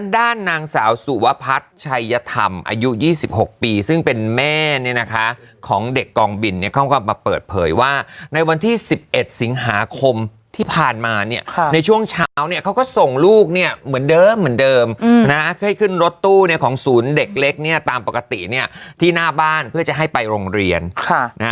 ด้านนางสาวสุวพัฒน์ชัยธรรมอายุ๒๖ปีซึ่งเป็นแม่เนี่ยนะคะของเด็กกองบินเนี่ยเขาก็มาเปิดเผยว่าในวันที่๑๑สิงหาคมที่ผ่านมาเนี่ยในช่วงเช้าเนี่ยเขาก็ส่งลูกเนี่ยเหมือนเดิมเหมือนเดิมนะให้ขึ้นรถตู้เนี่ยของศูนย์เด็กเล็กเนี่ยตามปกติเนี่ยที่หน้าบ้านเพื่อจะให้ไปโรงเรียนค่ะนะฮะ